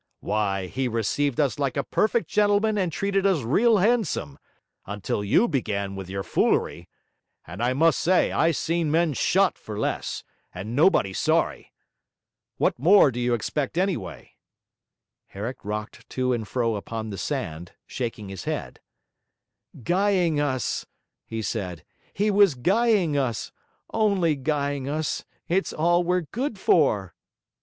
'Why, he received us like a perfect gentleman and treated us real handsome, until you began with your foolery and I must say I seen men shot for less, and nobody sorry! What more do you expect anyway?' Herrick rocked to and fro upon the sand, shaking his head. 'Guying us,' he said, 'he was guying us only guying us; it's all we're good for.'